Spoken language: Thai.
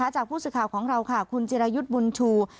จากผู้สื่อข่าวของเราค่ะคุณจิรายุทธ์บุญชู